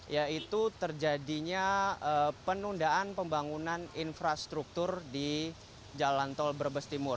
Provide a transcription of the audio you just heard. yaitu terjadinya penundaan pembangunan infrastruktur di jalan tol brebes timur